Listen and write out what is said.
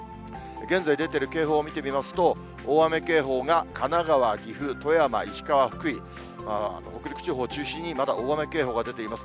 現在出ている警報を見てみますと、大雨警報が神奈川、岐阜、富山、石川、福井、北陸地方を中心にまだ大雨警報が出ています。